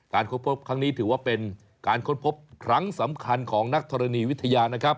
ค้นพบครั้งนี้ถือว่าเป็นการค้นพบครั้งสำคัญของนักธรณีวิทยานะครับ